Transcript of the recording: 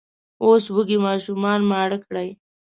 اوس وږي ماشومان ماړه کړئ!